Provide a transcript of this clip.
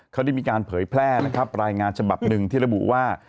เขาได้มีการเผยแพร่นะครับรายงานฉบับหนึ่งที่ระบุว่า